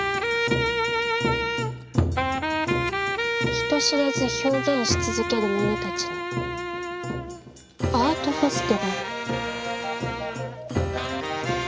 人知れず表現し続ける者たちのアートフェスティバル。